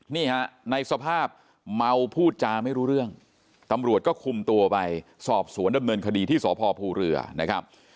นี่ฮะในสภาพเมาพูดจาไม่รู้เรื่องตำรวจก็คุมตัวไปสอบสวนดำเนินคดีที่สพภูเรือนะครับ